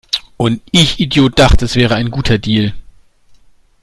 Und ich Idiot dachte, es wäre ein guter Deal!